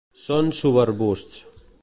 Són subarbusts.